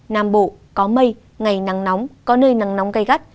nam bộ có mây ngày nắng nóng có nơi nắng nóng gây gắt